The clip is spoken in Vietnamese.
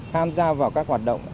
tham gia vào các hoạt động